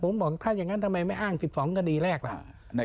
ผมบอกถ้าอย่างนั้นทำไมไม่อ้าง๑๒คดีแรกล่ะ